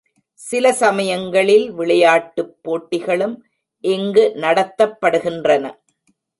சில சமயங்களில் விளையாட்டுப் போட்டிகளும் இங்கு நடத்தப்படுகின்றன.